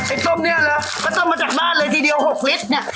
ต้มเนี่ยเหรอก็ต้มมาจากบ้านเลยทีเดียว๖ลิตรเนี่ย